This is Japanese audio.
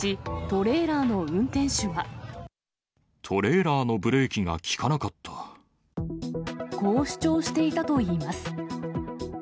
トレーラーのブレーキが利かこう主張していたといいます。